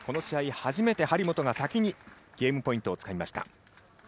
初めて張本が先にゲームポイントをつかみました。